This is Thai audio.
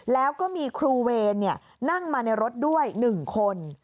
แล้วก็มีครูเวรนั่งมาในรถด้วย๑คน